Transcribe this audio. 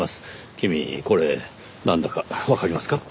君これなんだかわかりますか？